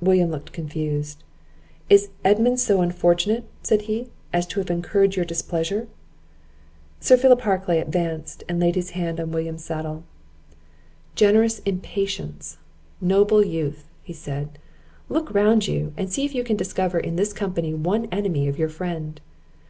William looked confused. "Is Edmund so unfortunate," said he, "as to have incurred your displeasure?" Sir Philip Harclay advanced, and laid his hand on William's saddle. "Generous impatience! noble youth!" said he; "look round you, and see if you can discover in this company one enemy of your friend!